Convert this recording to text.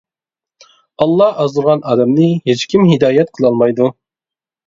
ئاللا ئازدۇرغان ئادەمنى ھېچكىم ھىدايەت قىلالمايدۇ.